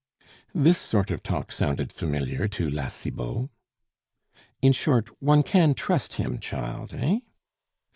This sort of talk sounded familiar to La Cibot. "In short, one can trust him, child, eh?"